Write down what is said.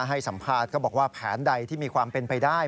ให้สัมภาษณ์ก็บอกว่าแผนใดที่มีความเป็นไปได้